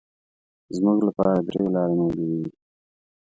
زموږ لپاره درې لارې موجودې دي.